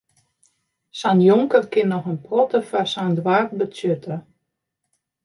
Sa'n jonker kin noch in protte foar sa'n doarp betsjutte.